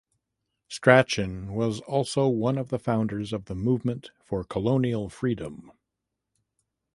Strachan was also one of the founders of the Movement for Colonial Freedom.